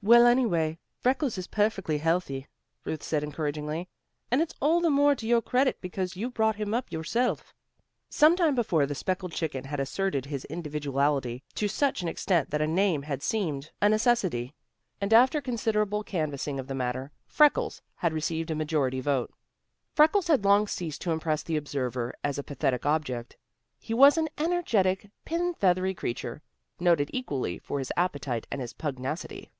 "Well, anyway, Freckles is perfectly healthy," Ruth said encouragingly. "And it's all the more to your credit because you brought him up yourself." Some time before, the speckled chicken had asserted his individuality to such an extent that a name had seemed a necessity, and after considerable canvassing of the matter, "Freckles" had received a majority vote. Freckles had long ceased to impress the observer as a pathetic object. He was an energetic, pin feathery creature, noted equally for his appetite and his pugnacity.